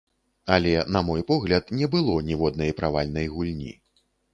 Але, на мой погляд, не было ніводнай правальнай гульні.